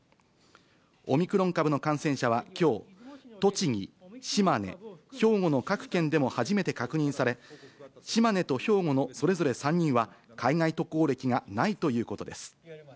オミクロン株の感染者は、きょう、栃木、島根、兵庫の各県でも初めて確認され、島根と兵庫のそれぞれ３人は、海外渡航歴がないということです。